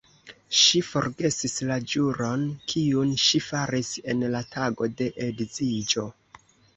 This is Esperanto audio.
Ŝi forgesis la ĵuron, kiun ŝi faris en la tago de edziĝo!